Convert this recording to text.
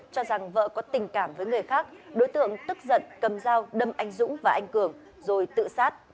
cho rằng vợ có tình cảm với người khác đối tượng tức giận cầm dao đâm anh dũng và anh cường rồi tự sát